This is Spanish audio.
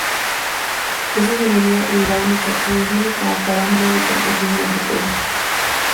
En ingeniería hidráulica, se define como paramento al muro de contención de las represas.